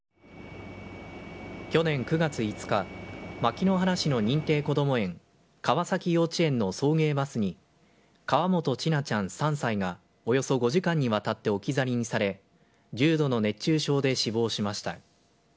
去年９月５日牧之原市の認定こども園川崎幼稚園の送迎バスに河本千奈ちゃん、３歳がおよそ５時間にわたって置き去りにされ重度の熱中症で死亡しました。